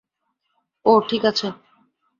ও ঠিক আছে।